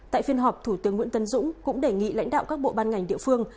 tại phiên họp thủ tướng nguyễn tân dũng cũng đề nghị lãnh đạo các bộ ban ngành địa phương